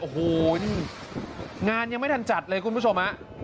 โอ้โหนี่งานยังไม่ทันจัดเลยคุณผู้ชมฮะ